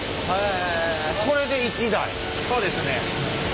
そうですね。